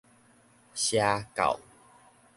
邪教